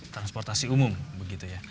transportasi umum begitu ya